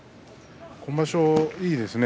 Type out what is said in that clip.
今場所はいいですね